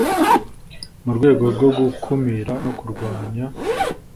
mu rwego rwo gukumira no kurwanya